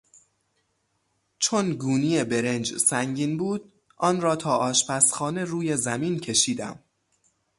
چون گونی برنج سنگین بود آن را تا آشپزخانه روی زمین کشیدم.